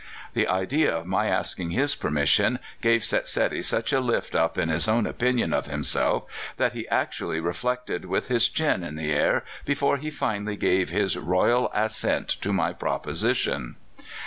"The idea of my asking his permission gave Setsedi such a lift up in his own opinion of himself that he actually reflected with his chin in the air before he finally gave his royal assent to my proposition.